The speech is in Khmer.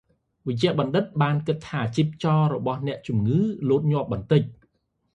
វេជ្ជបណ្ឌិតបានគិតថាជីពចររបស់អ្នកជំងឺលោតញាប់បន្តិច។